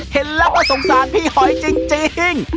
เห็นแล้วก็สงสารพี่หอยจริง